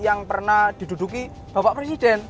yang pernah diduduki bapak presiden